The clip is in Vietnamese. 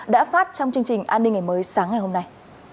toát trong chương trình an ninh ngày mới sáng ngày hôm nay